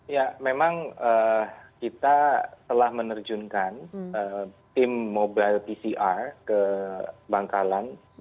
ya memang kita telah menerjunkan tim mobile pcr ke bangkalan